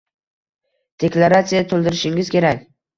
Deklaratsiya to'ldirishingiz kerak.